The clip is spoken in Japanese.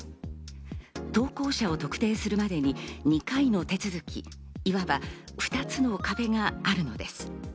投稿者を特定するまでに２回の手続き、いわば２つの壁があるのです。